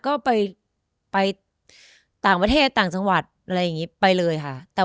ก็ไปต่างประเทศต่างจังหวัดอะไรอย่างนี้ไปเลยค่ะ